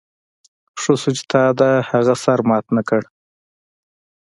ښه شو چې تا د هغه سر مات نه کړ